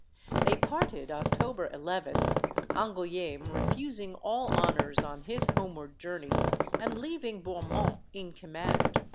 They parted, October 11th, Angouleme refusing all honors on his homeward journey, and leaving Bourmont in command.